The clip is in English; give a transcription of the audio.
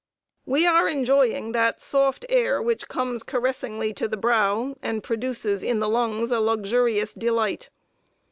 We are enjoying that soft air "which comes caressingly to the brow, and produces in the lungs a luxurious delight."